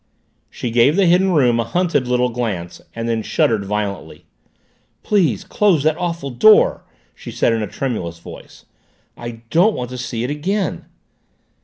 She gave the Hidden Room a hunted little glance and then shuddered violently. "Please close that awful door," she said in a tremulous voice. "I don't want to see it again."